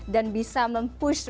dan bisa mempush